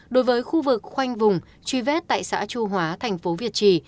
đối với khu vực khoanh vùng truy vết tại xã chu hóa thành phố việt trì